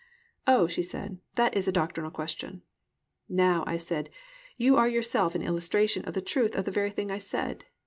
"Oh," she said, "that is a doctrinal question." "Now," I said, "you are yourself an illustration of the truth of the very thing I said.